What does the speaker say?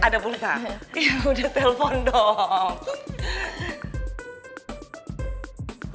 ada pulsa ya udah telepon dong